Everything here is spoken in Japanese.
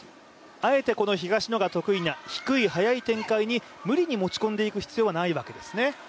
あえて、この東野が得意な低い速い展開に無理に持ち込んでいく必要はないわけですね。